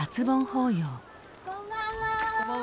こんばんは。